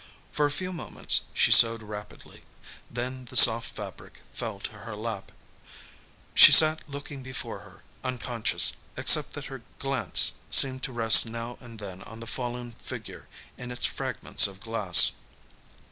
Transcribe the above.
For a few moments she sewed rapidly. Then the soft fabric fell to her lap. She sat looking before her, unconscious, except that her glance seemed to rest now and then on the fallen figure in its fragments of glass.